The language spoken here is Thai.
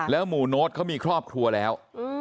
หมู่โน้ตเขามีครอบครัวแล้ว